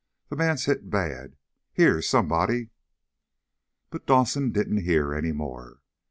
The man's hit bad. Here, somebody...!" But Dawson didn't hear any more.